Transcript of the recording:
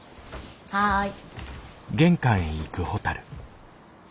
はい。